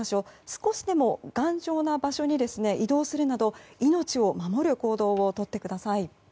少しでも頑丈な場所に移動するなど命を守る行動をとってください。